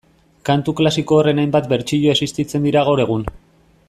Kantu klasiko horren hainbat bertsio existitzen dira gaur egun